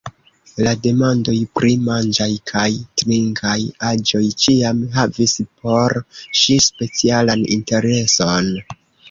La demandoj pri manĝaj kaj trinkaj aĵoj ĉiam havis por ŝi specialan intereson.